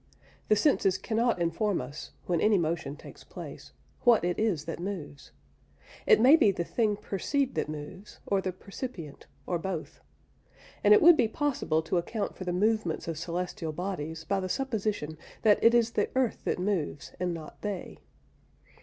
The senses cannot inform us (when any motion takes place) what it is that moves. It may be the thing perceived that moves, or the percipient or both. And it would be possible to account for the movements of celestial bodies by the supposition that it is the earth that moves, and not they.